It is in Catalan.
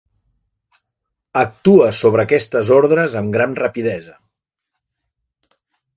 Actua sobre aquestes ordres amb gran rapidesa.